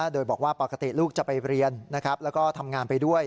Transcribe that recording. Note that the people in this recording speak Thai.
โดยบอกว่าปกติลูกจะไปเรียนแล้วก็ทำงานไปด้วย